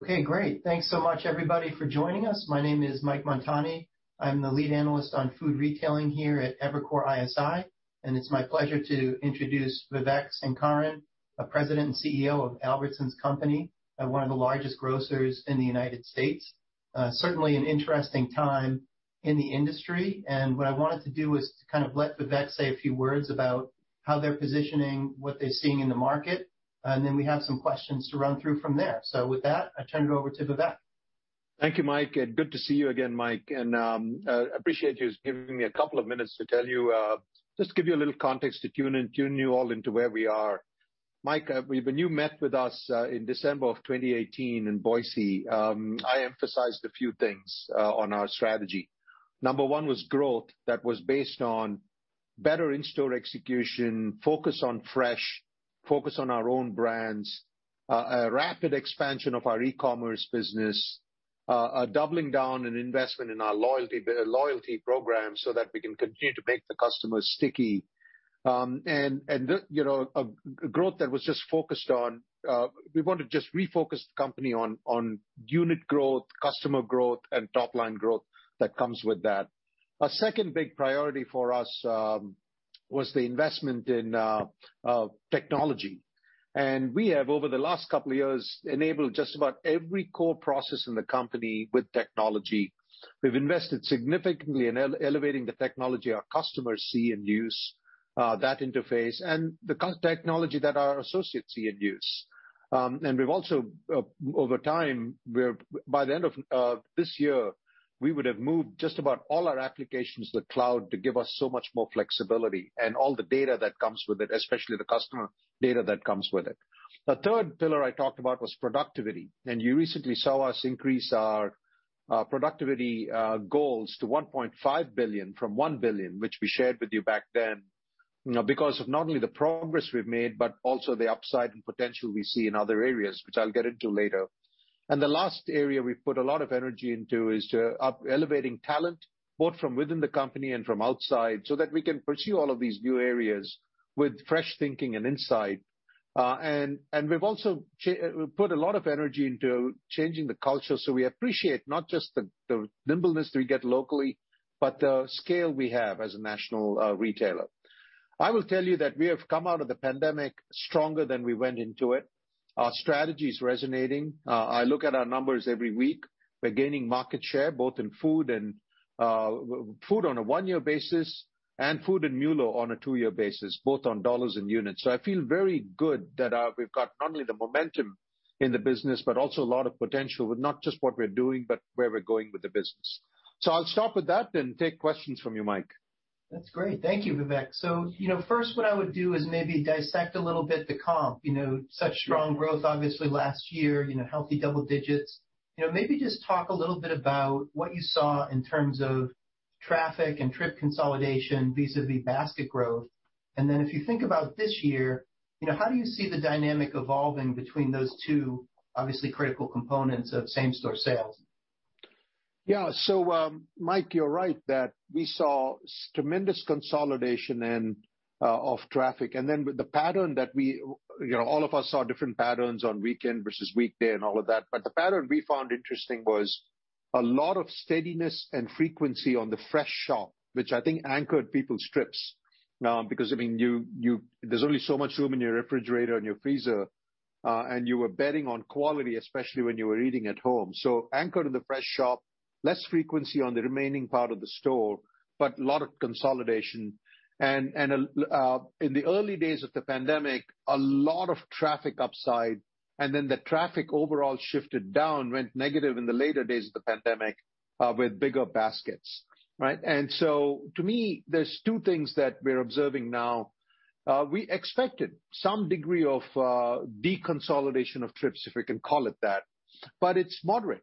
Okay, great. Thanks so much everybody for joining us. My name is Michael Montani. I'm the lead analyst on food retailing here at Evercore ISI, and it's my pleasure to introduce Vivek Sankaran, President and CEO of Albertsons Companies and one of the largest grocers in the United States. Certainly an interesting time in the industry. What I wanted to do was to kind of let Vivek say a few words about how they're positioning what they're seeing in the market, and then we have some questions to run through from there. With that, I turn it over to Vivek. Thank you, Mike. Good to see you again, Mike, and I appreciate you giving me a couple of minutes to just give you a little context to tune you all into where we are. Mike, when you met with us in December of 2018 in Boise, I emphasized a few things on our strategy. Number one was growth that was based on better in-store execution, focus on fresh, focus on our own brands, rapid expansion of our e-commerce business, doubling down on investment in our loyalty program so that we can continue to make the customer sticky. We want to just refocus the company on unit growth, customer growth, and top-line growth that comes with that. Our second big priority for us was the investment in technology. We have, over the last couple of years, enabled just about every core process in the company with technology. We've invested significantly in elevating the technology our customers see and use, that interface, and the technology that our associates see and use. We've also, over time, by the end of this year, we would've moved just about all our applications to the cloud to give us so much more flexibility and all the data that comes with it, especially the customer data that comes with it. The third pillar I talked about was productivity. You recently saw us increase our productivity goals to $1.5 billion from $1 billion, which we shared with you back then, because of not only the progress we've made, but also the upside and potential we see in other areas, which I'll get into later. The last area we put a lot of energy into is elevating talent, both from within the company and from outside, so that we can pursue all of these new areas with fresh thinking and insight. We've also put a lot of energy into changing the culture, so we appreciate not just the nimbleness we get locally, but the scale we have as a national retailer. I will tell you that we have come out of the pandemic stronger than we went into it. Our strategy is resonating. I look at our numbers every week. We're gaining market share, both in food on a one-year basis and food and non-food on a two-year basis, both on dollars and units. I feel very good that we've got not only the momentum in the business, but also a lot of potential, with not just what we're doing, but where we're going with the business. I'll stop with that and take questions from you, Mike. That's great. Thank you, Vivek. First what I would do is maybe dissect a little bit the comp. Such strong growth, obviously last year, healthy double digits. Maybe just talk a little bit about what you saw in terms of traffic and trip consolidation vis-à-vis basket growth. Then if you think about this year, how do you see the dynamic evolving between those two obviously critical components of same-store sales? Yeah. Mike, you're right that we saw tremendous consolidation and of traffic. With the pattern that All of us saw different patterns on weekend versus weekday and all of that. The pattern we found interesting was a lot of steadiness and frequency on the fresh shop, which I think anchored people's trips. Now, because there's only so much room in your refrigerator and your freezer, and you were betting on quality, especially when you were eating at home. Anchored in the fresh shop, less frequency on the remaining part of the store, but a lot of consolidation. In the early days of the pandemic, a lot of traffic upside, and then the traffic overall shifted down, went negative in the later days of the pandemic, with bigger baskets. Right? To me, there's two things that we're observing now. We expected some degree of deconsolidation of trips, if we can call it that, but it's moderate.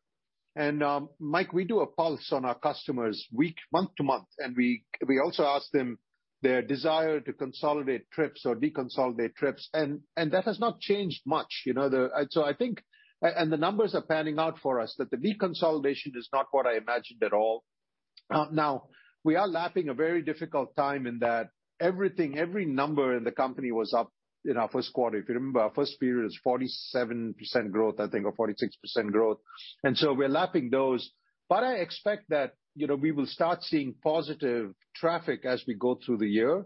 Mike, we do a pulse on our customers month-to-month, and we also ask them their desire to consolidate trips or deconsolidate trips. That has not changed much. The numbers are panning out for us that the deconsolidation is not what I imagined at all. Now, we are lapping a very difficult time in that everything, every number in the company was up in our first quarter. If you remember, our first period was 47% growth, I think, or 46% growth. We're lapping those. I expect that we will start seeing positive traffic as we go through the year,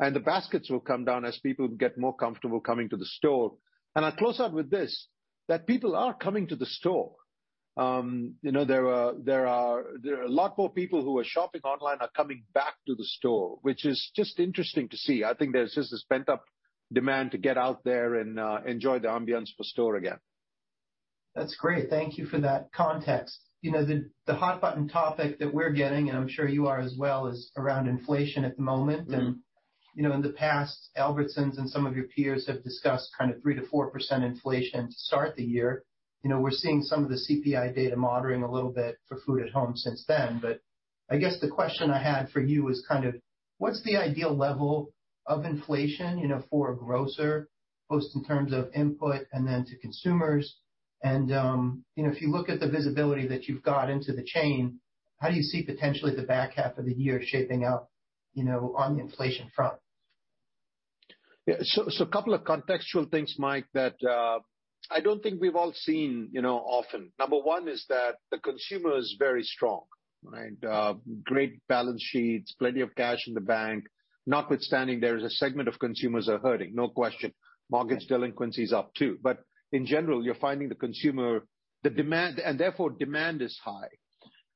and the baskets will come down as people get more comfortable coming to the store. I close out with this, that people are coming to the store. A lot more people who are shopping online are coming back to the store, which is just interesting to see. I think there's just a pent-up demand to get out there and enjoy the ambiance of a store again. That's great. Thank you for that context. The hot button topic that we're getting, and I'm sure you are as well, is around inflation at the moment. In the past, Albertsons and some of your peers have discussed kind of 3%-4% inflation to start the year. We're seeing some of the CPI data moderating a little bit for food at home since then. I guess the question I had for you is kind of what's the ideal level of inflation for a grocer, both in terms of input and then to consumers? If you look at the visibility that you've got into the chain, how do you see potentially the back half of the year shaping up on the inflation front? Yeah. A couple of contextual things, Mike, that I don't think we've all seen often. Number one is that the consumer is very strong. Great balance sheets, plenty of cash in the bank. Notwithstanding, there is a segment of consumers are hurting, no question. Mortgage delinquency is up, too. In general, you're finding the consumer, and therefore, demand is high.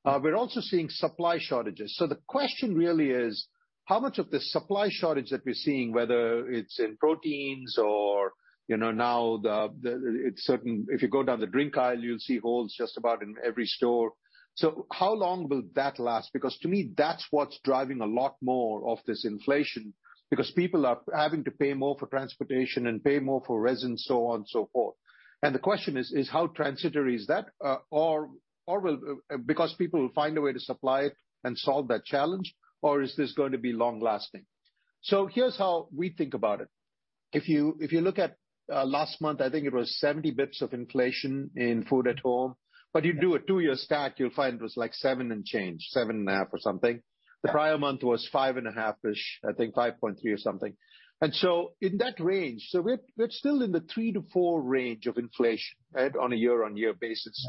We're also seeing supply shortages. The question really is, how much of the supply shortage that we're seeing, whether it's in proteins or now if you go down the drink aisle, you'll see holes just about in every store. How long will that last? To me, that's what's driving a lot more of this inflation because people are having to pay more for transportation and pay more for resin, so on and so forth. The question is, how transitory is that? Will, because people will find a way to supply it and solve that challenge, or is this going to be long-lasting? Here's how we think about it. If you look at last month, I think it was 70 basis points of inflation in food at home. You do a two-year stack, you'll find it was like seven and change, seven and a half or something. The prior month was five and a half-ish, I think 5.3 or something. In that range. We're still in the three to four range of inflation on a year-over-year basis.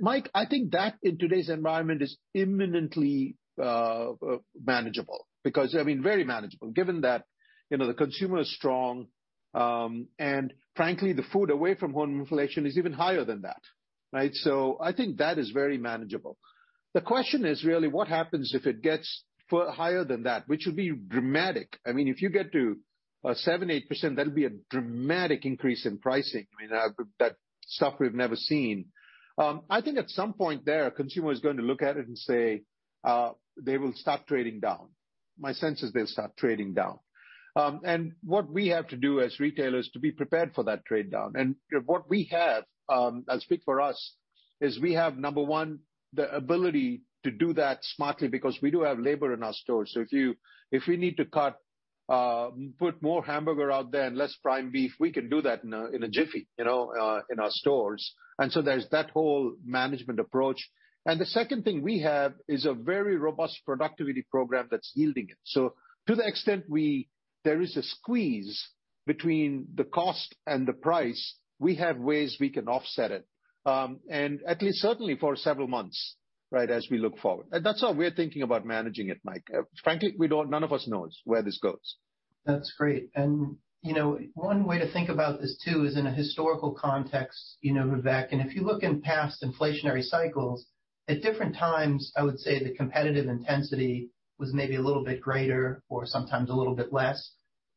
Mike, I think that in today's environment is eminently manageable because, I mean, very manageable, given that the consumer is strong. Frankly, the food away from home inflation is even higher than that. I think that is very manageable. The question is really what happens if it gets higher than that, which would be dramatic. If you get to 7%-8%, that'd be a dramatic increase in pricing. I mean, that stuff we've never seen. I think at some point there, a consumer is going to look at it and say, they will stop trading down. My sense is they'll stop trading down. What we have to do as retailers is to be prepared for that trade-down. What we have, I'll speak for us, is we have, number one, the ability to do that smartly because we do have labor in our stores. If you need to put more hamburger out there and less prime beef, we can do that in a jiffy in our stores. There's that whole management approach. The second thing we have is a very robust productivity program that's yielding it. To the extent there is a squeeze between the cost and the price, we have ways we can offset it. At least certainly for several months as we look forward. That's how we're thinking about managing it, Mike. Frankly, none of us knows where this goes. That's great. One way to think about this too is in a historical context, Vivek. If you look in past inflationary cycles, at different times, I would say the competitive intensity was maybe a little bit greater or sometimes a little bit less.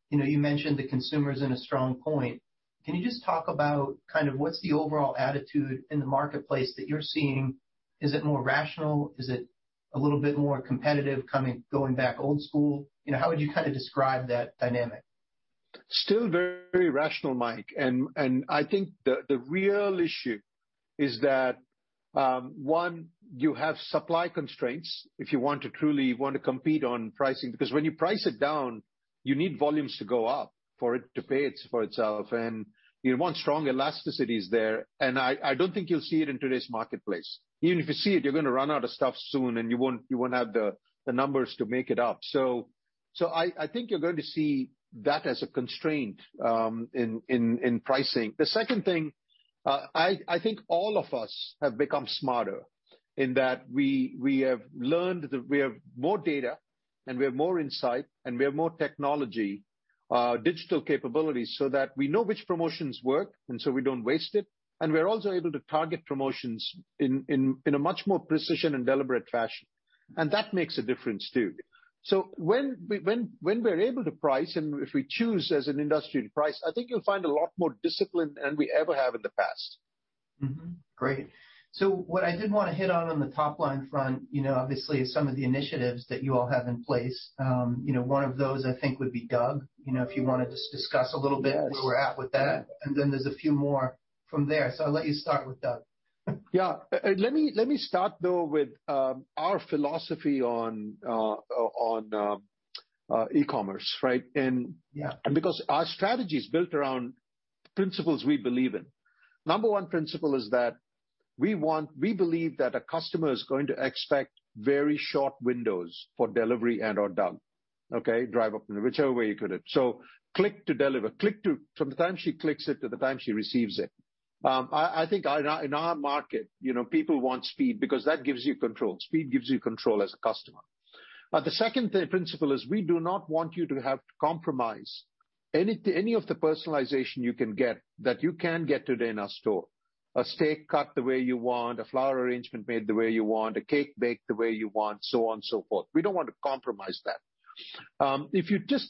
You mentioned the consumer's in a strong point. Can you just talk about kind of what's the overall attitude in the marketplace that you're seeing? Is it more rational? Is it a little bit more competitive going back old school? How would you kind of describe that dynamic? Still very rational, Mike. I think the real issue is that, one, you have supply constraints if you want to truly want to compete on pricing, because when you price it down, you need volumes to go up for it to pay for itself. You want strong elasticities there. I don't think you'll see it in today's marketplace. Even if you see it, you're going to run out of stuff soon, and you won't have the numbers to make it up. I think you're going to see that as a constraint in pricing. The second thing, I think all of us have become smarter in that we have learned that we have more data and we have more insight and we have more technology, digital capabilities so that we know which promotions work, and so we don't waste it. We're also able to target promotions in a much more precision and deliberate fashion. That makes a difference, too. When we're able to price and if we choose as an industry to price, I think you'll find a lot more discipline than we ever have in the past. Great. What I did want to hit on the top-line front, obviously some of the initiatives that you all have in place. One of those I think would be DUG, if you wanted to discuss a little bit where we're at with that. Then there's a few more from there. I'll let you start with that. Yeah. Let me start, though, with our philosophy on e-commerce. Because our strategy is built around principles we believe in. Number one principle is that we believe that a customer is going to expect very short windows for delivery and/or DUG. Drive up, whichever way you put it. Click to deliver. From the time she clicks it to the time she receives it. I think in our market, people want speed because that gives you control. Speed gives you control as a customer. The second principle is we do not want you to have to compromise any of the personalization you can get today in our store. A steak cut the way you want, a flower arrangement made the way you want, a cake baked the way you want, so on and so forth. We don't want to compromise that. The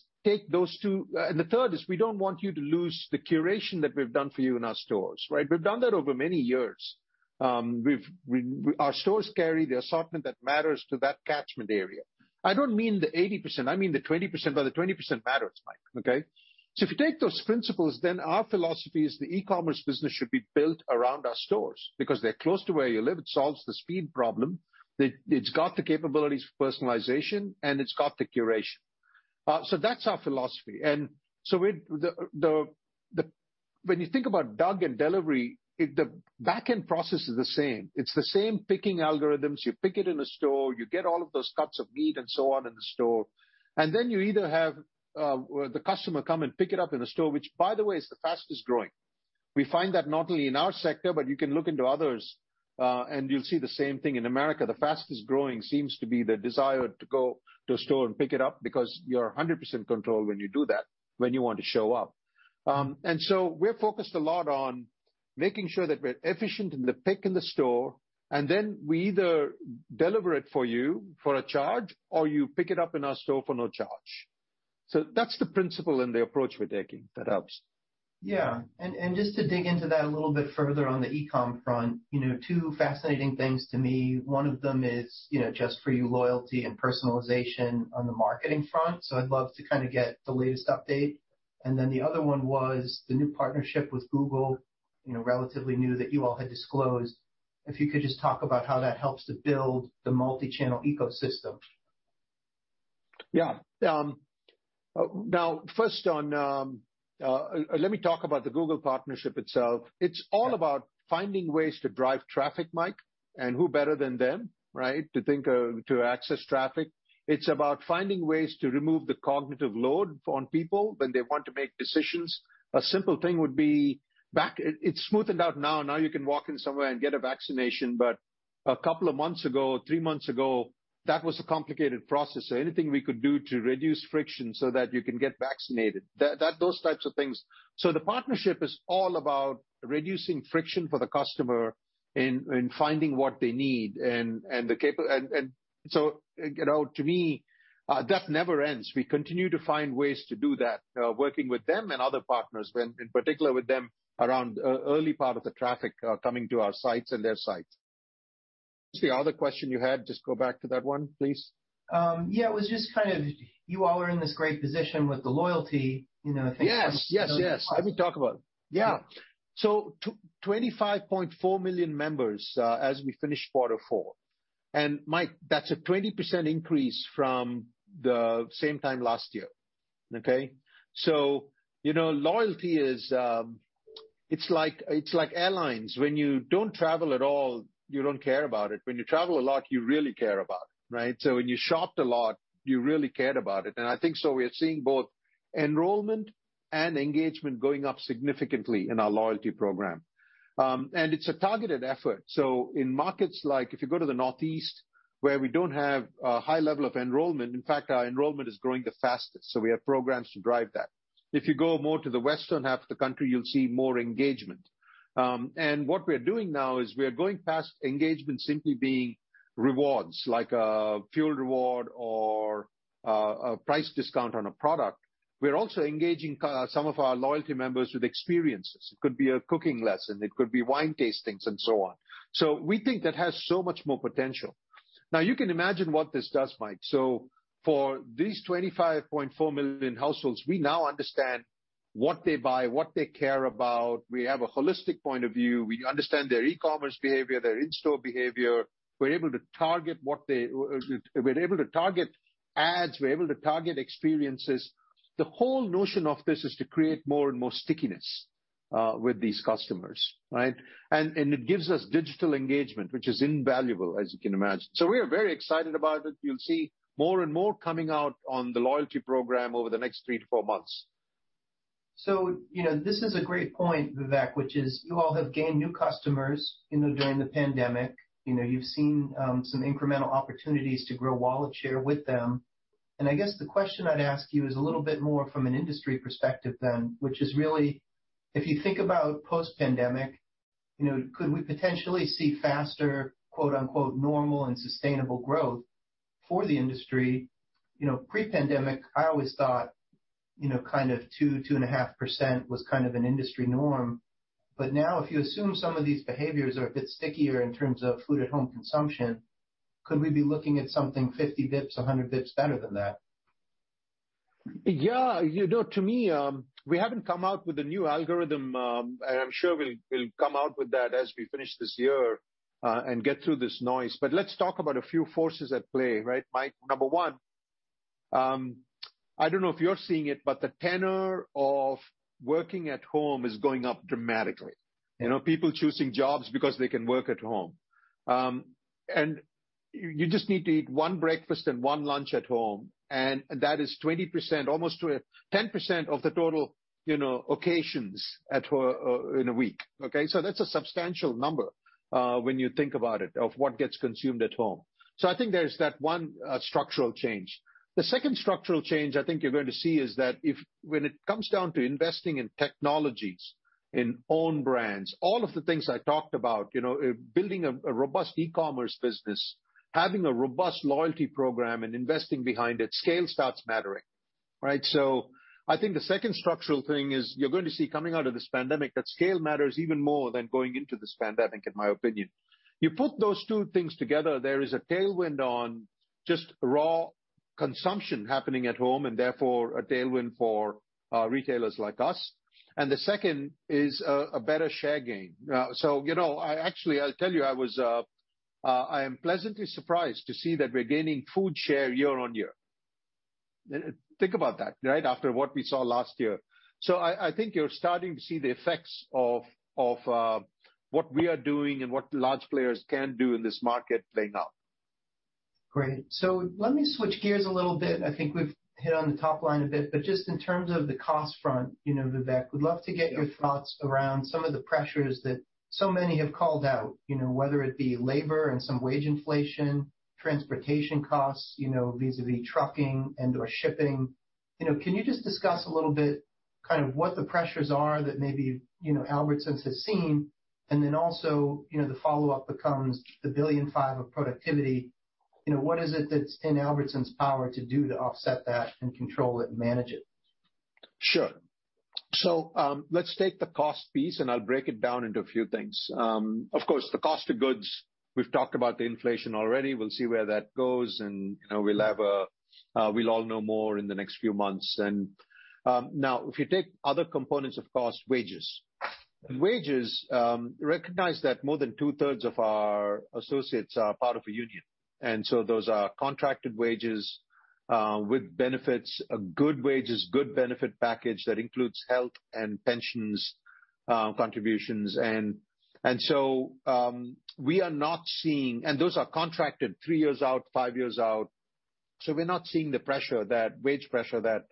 third is we don't want you to lose the curation that we've done for you in our stores. We've done that over many years. Our stores carry the assortment that matters to that catchment area. I don't mean the 80%, I mean the 20%, but the 20% matters, Mike. If you take those principles, then our philosophy is the e-commerce business should be built around our stores because they're close to where you live. It solves the speed problem. It's got the capabilities for personalization, and it's got the curation. That's our philosophy. When you think about DUG and delivery, the back-end process is the same. It's the same picking algorithms. You pick it in a store, you get all of those cuts of meat and so on in the store, and then you either have the customer come and pick it up in the store, which by the way, is the fastest-growing. We find that not only in our sector, but you can look into others, and you'll see the same thing. In America, the fastest-growing seems to be the desire to go to a store and pick it up because you're 100% in control when you do that, when you want to show up. We're focused a lot on making sure that we're efficient in the pick in the store, and then we either deliver it for you for a charge or you pick it up in our store for no charge. That's the principle and the approach we're taking. That helps. Yeah. Just to dig into that a little bit further on the e-com front, two fascinating things to me. One of them is just for you, loyalty and personalization on the marketing front. I'd love to kind of get the latest update. The other one was the new partnership with Google, relatively new that you all had disclosed. If you could just talk about how that helps to build the multi-channel ecosystem. Yeah. Now first, let me talk about the Google partnership itself. It's all about finding ways to drive traffic, Mike, and who better than them to think to access traffic? It's about finding ways to remove the cognitive load from people when they want to make decisions. It's smoothed out now. Now you can walk in somewhere and get a vaccination, but a couple of months ago, three months ago, that was a complicated process. Anything we could do to reduce friction so that you can get vaccinated, those types of things. The partnership is all about reducing friction for the customer in finding what they need and the capability. To me, that never ends. We continue to find ways to do that, working with them and other partners, but in particular with them around the early part of the traffic coming to our sites and their sites. What's the other question you had? Just go back to that one, please. Yeah, it was just kind of you all are in this great position with the loyalty- Yes. I can talk about it. Yeah. 25.4 million members as we finished quarter four. Mike, that's a 20% increase from the same time last year. Okay? Loyalty is like airlines. When you don't travel at all, you don't care about it. When you travel a lot, you really care about it, right? When you shopped a lot, you really cared about it. I think so we're seeing both enrollment and engagement going up significantly in our loyalty program. It's a targeted effort. In markets like if you go to the Northeast where we don't have a high level of enrollment, in fact, our enrollment is growing the fastest, so we have programs to drive that. If you go more to the western half of the country, you'll see more engagement. What we're doing now is we are going past engagement simply being rewards, like a fuel reward or a price discount on a product. We're also engaging some of our loyalty members with experiences. It could be a cooking lesson, it could be wine tastings, and so on. we think that has so much more potential. Now, you can imagine what this does, Mike. for these 25.4 million households, we now understand what they buy, what they care about. We have a holistic point of view. We understand their e-commerce behavior, their in-store behavior. We're able to target ads. We're able to target experiences. The whole notion of this is to create more and more stickiness with these customers, right? it gives us digital engagement, which is invaluable as you can imagine. we are very excited about it. You'll see more and more coming out on the loyalty program over the next three to four months. This is a great point, Vivek, which is you all have gained new customers during the pandemic. You've seen some incremental opportunities to grow wallet share with them. I guess the question I'd ask you is a little bit more from an industry perspective then, which is really if you think about post-pandemic, could we potentially see faster, quote-unquote, "normal and sustainable growth" for the industry? Pre-pandemic, I always thought kind of 2.5% was kind of an industry norm. Now if you assume some of these behaviors are a bit stickier in terms of food at home consumption, could we be looking at something 50 basis points, 100 basis points better than that? Yeah. To me, we haven't come out with a new algorithm, and I'm sure we'll come out with that as we finish this year and get through this noise. Let's talk about a few forces at play, right, Mike? Number one, I don't know if you're seeing it, but the tenor of working at home is going up dramatically. People choosing jobs because they can work at home. You just need to eat one breakfast and one lunch at home, and that is 20%, almost 10% of the total occasions in a week. Okay? That's a substantial number when you think about it, of what gets consumed at home. I think there's that one structural change. The second structural change I think you're going to see is that when it comes down to investing in technologies, in own brands, all of the things I talked about, building a robust e-commerce business, having a robust loyalty program and investing behind it, scale starts mattering, right? I think the second structural thing is you're going to see coming out of this pandemic that scale matters even more than going into this pandemic, in my opinion. You put those two things together, there is a tailwind on just raw consumption happening at home, and therefore a tailwind for retailers like us. The second is a better share gain. Actually I'll tell you, I am pleasantly surprised to see that we're gaining food share year on year. Think about that, right after what we saw last year. I think you're starting to see the effects of what we are doing and what the large players can do in this market right now. Great. Let me switch gears a little bit. I think we've hit on the top line a bit, but just in terms of the cost front, Vivek, we'd love to get your thoughts around some of the pressures that so many have called out. Whether it be labor and some wage inflation, transportation costs, vis-à-vis trucking and/or shipping. Can you just discuss a little bit kind of what the pressures are that maybe Albertsons has seen? The follow-up becomes the 1.5 billion of productivity. What is it that's in Albertsons' power to do to offset that and control it and manage it? Sure. Let's take the cost piece, and I'll break it down into a few things. Of course, the cost of goods, we've talked about the inflation already. We'll see where that goes, and we'll all know more in the next few months. Now, if you take other components of cost, wages. Wages, recognize that more than two-thirds of our associates are part of a union, and so those are contracted wages, with benefits, good wages, good benefit package that includes health and pensions contributions. Those are contracted three years out, five years out. We're not seeing the wage pressure that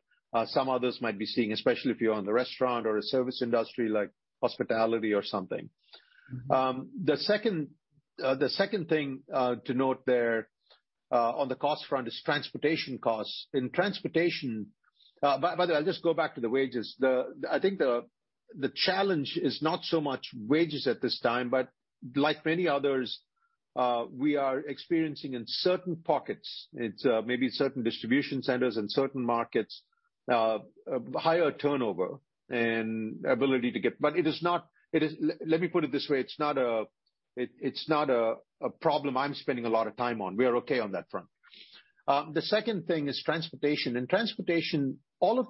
some others might be seeing, especially if you're in the restaurant or a service industry, like hospitality or something. The second thing to note there, on the cost front, is transportation costs. By the way, I'll just go back to the wages. I think the challenge is not so much wages at this time, but like many others, we are experiencing in certain pockets. It's maybe certain distribution centers and certain markets, a higher turnover and ability to get. Let me put it this way, it's not a problem I'm spending a lot of time on. We are okay on that front. The second thing is transportation. Most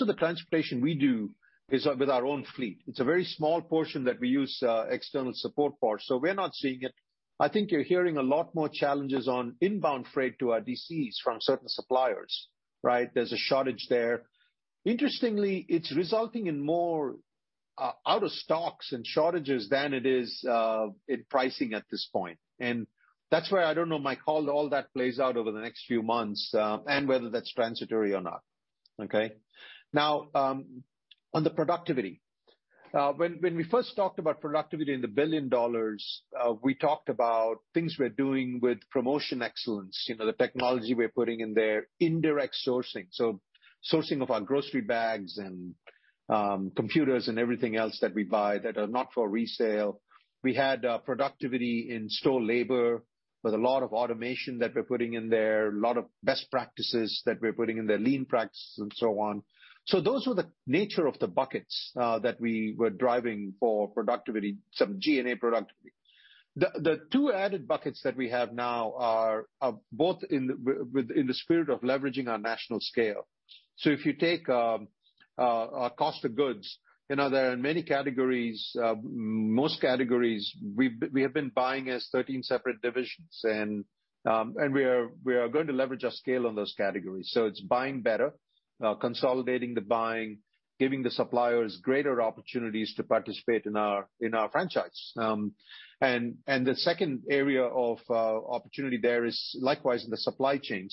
of the transportation we do is with our own fleet. It's a very small portion that we use external support for. We're not seeing it. I think you're hearing a lot more challenges on inbound freight to our DCs from certain suppliers, right? There's a shortage there. Interestingly, it's resulting in more out of stocks and shortages than it is in pricing at this point. that's why I don't know, Mike, how all that plays out over the next few months, and whether that's transitory or not. Okay? Now, on the productivity. When we first talked about productivity and the billion dollars, we talked about things we're doing with promotion excellence. The technology we're putting in there, indirect sourcing, so sourcing of our grocery bags and computers and everything else that we buy that are not for resale. We had productivity in store labor with a lot of automation that we're putting in there, a lot of best practices that we're putting in there, lean practices and so on. those were the nature of the buckets that we were driving for productivity, some G&A productivity. The two added buckets that we have now are both in the spirit of leveraging our national scale. If you take our cost of goods, there are many categories. Most categories, we have been buying as 13 separate divisions. We are going to leverage our scale on those categories. It's buying better, consolidating the buying, giving the suppliers greater opportunities to participate in our franchise. The second area of opportunity there is likewise in the supply chain.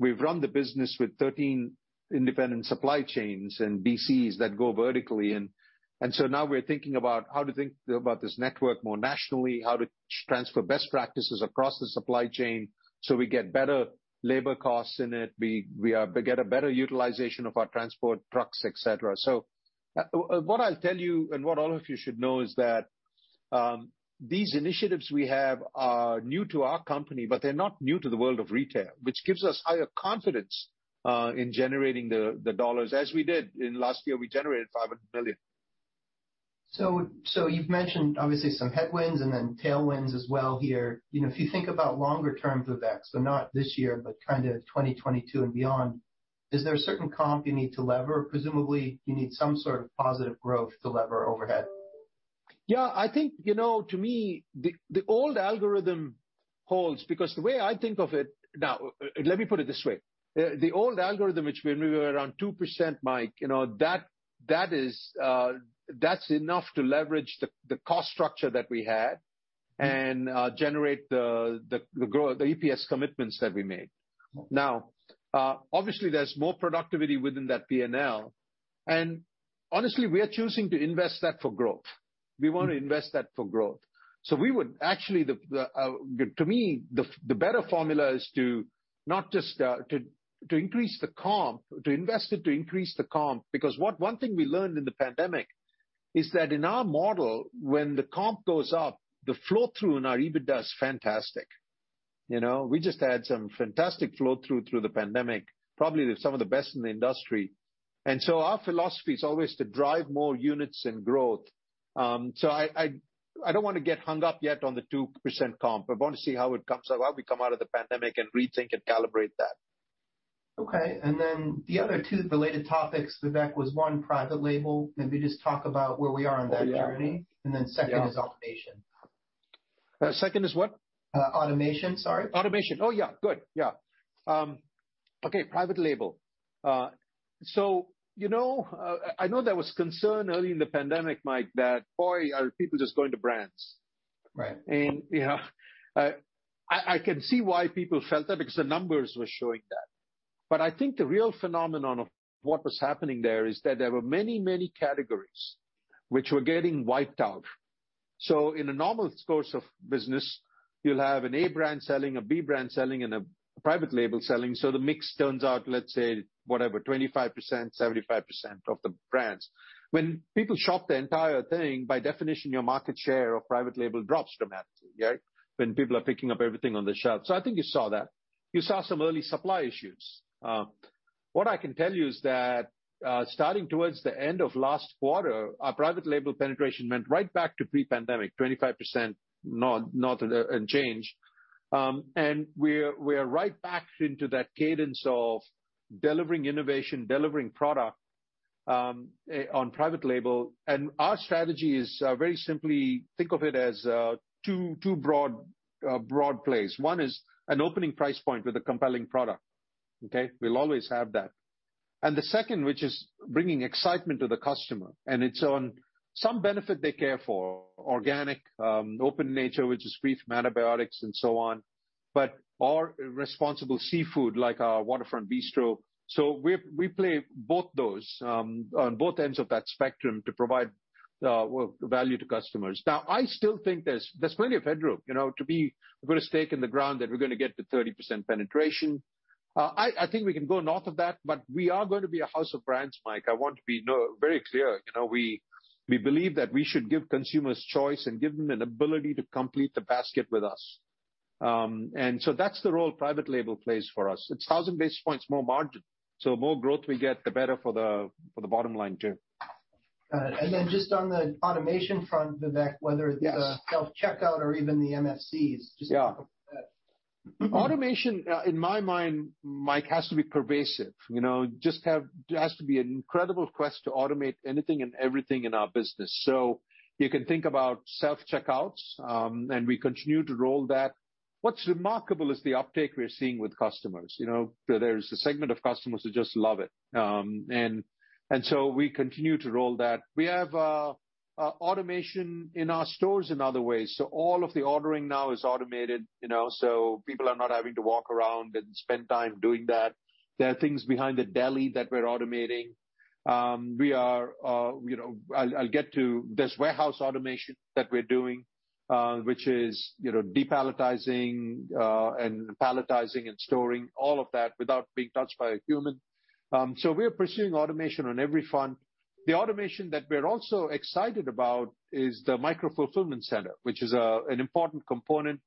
We've run the business with 13 independent supply chains and DCs that go vertically. Now we're thinking about how to think about this network more nationally, how to transfer best practices across the supply chain so we get better labor costs in it. We get a better utilization of our transport trucks, et cetera. What I'll tell you, and what all of you should know is that, these initiatives we have are new to our company, but they're not new to the world of retail, which gives us higher confidence in generating the dollars as we did. In the last year, we generated $500 million. You've mentioned obviously some headwinds and then tailwinds as well here. If you think about longer term, Vivek, so not this year, but kind of 2022 and beyond. Is there a certain comp you need to lever? Presumably, you need some sort of positive growth to lever overhead. Yeah. I think, to me, the old algorithm holds because the way I think of it. Now, let me put it this way. The old algorithm, which we were around 2%, Mike, that's enough to leverage the cost structure that we had and generate the EPS commitments that we made. Now, obviously, there's more productivity within that P&L. Honestly, we are choosing to invest that for growth. We want to invest that for growth. Actually, to me, the better formula is to invest it to increase the comp. Because one thing we learned in the pandemic is that in our model, when the comp goes up, the flow-through in our EBITDA is fantastic. We just had some fantastic flow-through through the pandemic, probably some of the best in the industry. Our philosophy is always to drive more units and growth. I don't want to get hung up yet on the 2% comp. I want to see how we come out of the pandemic and rethink and calibrate that. Okay. The other two related topics, Vivek, was, one, private label. Can we just talk about where we are on that journey? Yeah. Second is automation. The second is what? Automation. Sorry. Automation. Oh, yeah. Good. Okay, private label. I know there was concern early in the pandemic, Michael Montani, that, boy, are people just going to brands. Right. I can see why people felt that because the numbers were showing that. I think the real phenomenon of what was happening there is that there were many, many categories which were getting wiped out. In a normal course of business, you'll have an A brand selling, a B brand selling, and a private label selling. The mix turns out, let's say, whatever, 25%, 75% of the brands. When people shop the entire thing, by definition, your market share of private label drops dramatically, when people are picking up everything on the shelf. I think you saw that. You saw some early supply issues. What I can tell you is that starting towards the end of last quarter, our private label penetration went right back to pre-pandemic, 25% north and change. We're right back into that cadence of delivering innovation, delivering product on private label. our strategy is very simply think of it as two broad plays. One is an opening price point with a compelling product. Okay? We'll always have that. the second, which is bringing excitement to the customer, and it's on some benefit they care for, organic, Open Nature, which is free from antibiotics and so on, but responsible seafood like our Waterfront Bistro. we play both those on both ends of that spectrum to provide value to customers. Now, I still think there's plenty of headroom. we've got a stake in the ground that we're going to get to 30% penetration. I think we can go north of that, but we are going to be a house of brands, Michael Montani. I want to be very clear. We believe that we should give consumers choice and give them an ability to complete the basket with us. That's the role private label plays for us. It's a thousand basis points more margin, so the more growth we get, the better for the bottom line too. Got it. just on the automation front, Vivek- Yes Whether it's the self-checkout or even the MFCs, just a couple points. Yeah. Automation, in my mind, Mike, has to be pervasive. Just has to be an incredible quest to automate anything and everything in our business. You can think about self-checkouts, and we continue to roll that. What's remarkable is the uptake we're seeing with customers. There's a segment of customers who just love it. We continue to roll that. We have automation in our stores in other ways. All of the ordering now is automated, so people are not having to walk around and spend time doing that. There are things behind the deli that we're automating. I'll get to this warehouse automation that we're doing, which is de-palletizing and palletizing and storing all of that without being touched by a human. We're pursuing automation on every front. The automation that we're also excited about is the micro-fulfillment center, which is an important component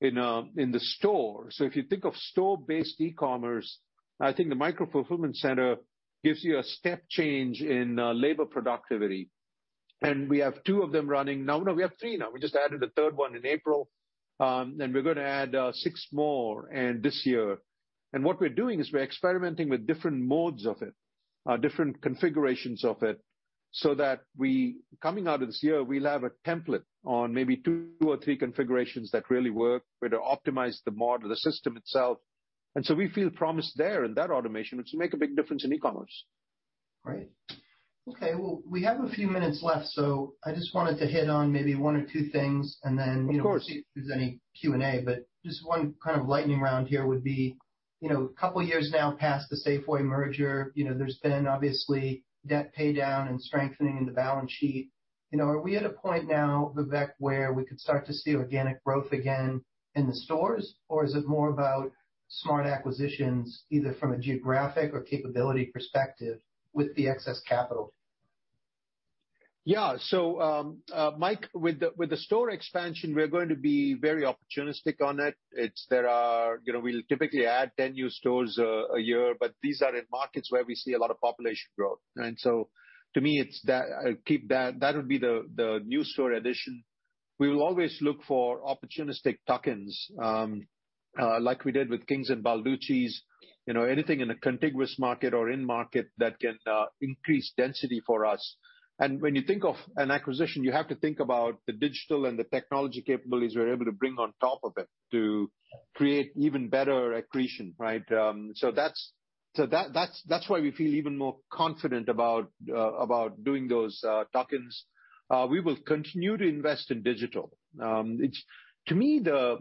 in the store. If you think of store-based e-commerce, I think a micro-fulfillment center gives you a step change in labor productivity. We have two of them running now. No, we have three now. We just added a third one in April. We're going to add six more this year. What we're doing is we're experimenting with different modes of it, different configurations of it, so that coming out of this year, we'll have a template on maybe two or three configurations that really work. We're going to optimize the model, the system itself. We feel promise there in that automation, which will make a big difference in e-commerce. Right. Okay, well, we have a few minutes left, so I just wanted to hit on maybe one or two things, and then- Of course. If there's any Q&A. just one kind of lightning round here would be, a couple of years now past the Safeway merger, there's been obviously debt paydown and strengthening of the balance sheet. Are we at a point now, Vivek, where we could start to see organic growth again in the stores? is it more about smart acquisitions, either from a geographic or capability perspective with the excess capital? Yeah, Michael Montani, with the store expansion, we're going to be very opportunistic on it. We typically add 10 new stores a year, but these are in markets where we see a lot of population growth. To me, that'll be the new store addition. We'll always look for opportunistic tuck-ins, like we did with Kings and Balducci's. Anything in a contiguous market or in-market that can increase density for us. When you think of an acquisition, you have to think about the digital and the technology capabilities we're able to bring on top of it to create even better accretion, right? That's why we feel even more confident about doing those tuck-ins. We will continue to invest in digital. To me, the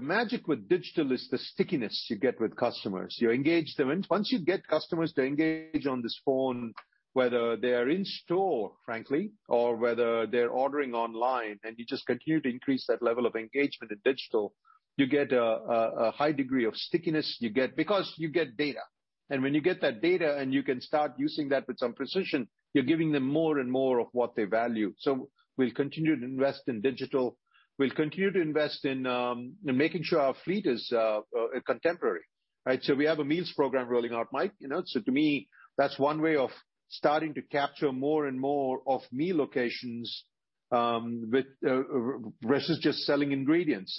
magic with digital is the stickiness you get with customers. You engage them. Once you get customers to engage on this phone, whether they are in store, frankly, or whether they're ordering online, and you just continue to increase that level of engagement in digital, you get a high degree of stickiness because you get data. When you get that data and you can start using that with some precision, you're giving them more and more of what they value. We'll continue to invest in digital. We'll continue to invest in making sure our fleet is contemporary, right? We have a meals program rolling out, Mike. To me, that's one way of starting to capture more and more of meal occasions versus just selling ingredients.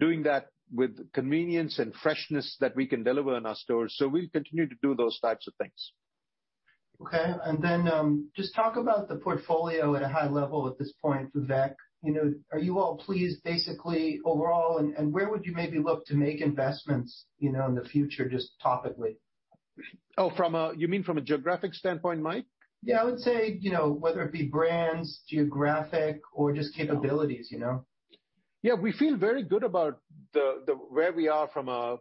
Doing that with the convenience and freshness that we can deliver in our stores. We'll continue to do those types of things. Okay. just talk about the portfolio at a high level at this point, Vivek. Are you all pleased basically overall, and where would you maybe look to make investments in the future, just topically? Oh, you mean from a geographic standpoint, Mike? Yeah, I would say, whether it be brands, geographic or just capabilities. Yeah, we feel very good about where we are from a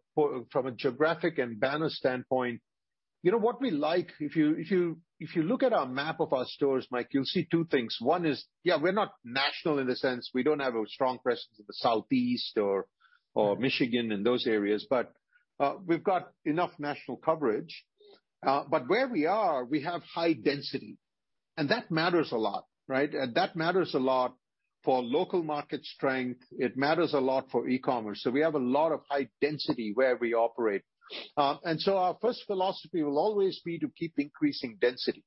geographic and banner standpoint. What we like, if you look at our map of our stores, Mike, you'll see two things. One is, yeah, we're not national in the sense we don't have a strong presence in the Southeast or Michigan and those areas, but we've got enough national coverage. Where we are, we have high density, and that matters a lot, right? That matters a lot for local market strength. It matters a lot for e-commerce. We have a lot of high density where we operate. Our first philosophy will always be to keep increasing density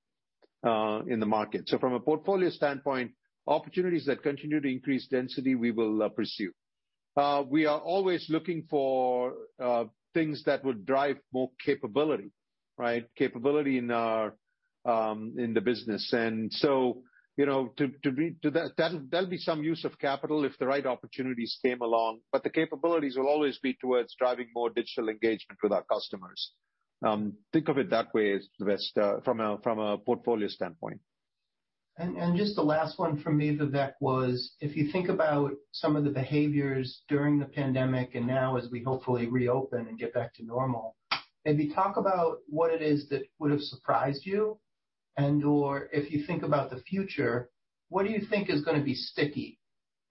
in the market. From a portfolio standpoint, opportunities that continue to increase density, we will pursue. We are always looking for things that would drive more capability, right? Capability in the business. That'll be some use of capital if the right opportunities came along, but the capabilities will always be towards driving more digital engagement with our customers. Think of it that way, from a portfolio standpoint. Just the last one from me, Vivek, was, if you think about some of the behaviors during the pandemic and now as we hopefully reopen and get back to normal, maybe talk about what it is that would've surprised you and/or if you think about the future, what do you think is going to be sticky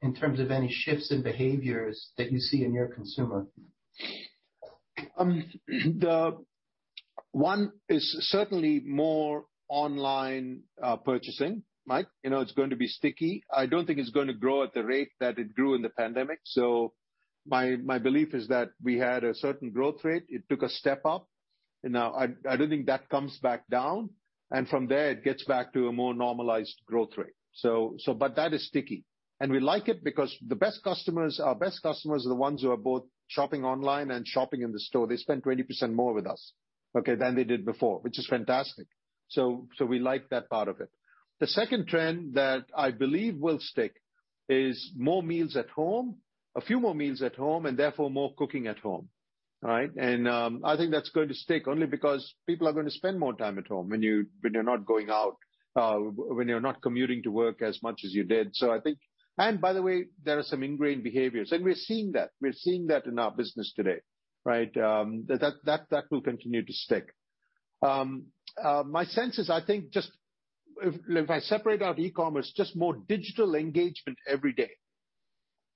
in terms of any shifts in behaviors that you see in your consumer? One is certainly more online purchasing, Mike. It's going to be sticky. I don't think it's going to grow at the rate that it grew in the pandemic. My belief is that we had a certain growth rate. It took a step up, and now I don't think that comes back down. From there, it gets back to a more normalized growth rate. That is sticky, and we like it because our best customers are the ones who are both shopping online and shopping in the store. They spend 20% more with us, okay, than they did before, which is fantastic. We like that part of it. The second trend that I believe will stick is more meals at home, a few more meals at home, and therefore more cooking at home, right? I think that's going to stick only because people are going to spend more time at home when you're not going out, when you're not commuting to work as much as you did. By the way, there are some ingrained behaviors, and we're seeing that. We're seeing that in our business today, right? That will continue to stick. My sense is, I think just if I separate out e-commerce, just more digital engagement every day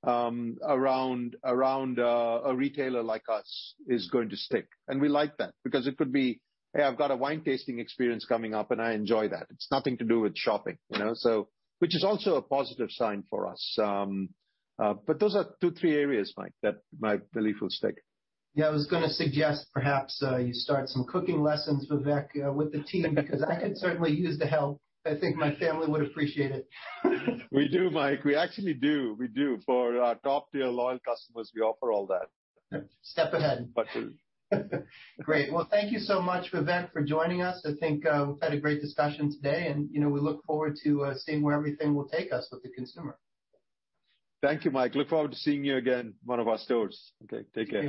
around a retailer like us is going to stick. We like that because it could be, "Hey, I've got a wine-tasting experience coming up, and I enjoy that." It's nothing to do with shopping. Which is also a positive sign for us. Those are two, three areas, Mike, that my belief will stick. Yeah, I was going to suggest perhaps you start some cooking lessons, Vivek, with the team because I could certainly use the help. I think my family would appreciate it. We do, Michael Montani. We actually do. We do. For our top-tier loyal customers, we offer all that. Step ahead. Great. Well, thank you so much, Vivek, for joining us. I think we've had a great discussion today, and we look forward to seeing where everything will take us with the consumer. Thank you, Mike. Look forward to seeing you again in one of our stores. Okay, take care.